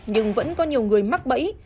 nhưng vẫn có nhiều người mắc bẫy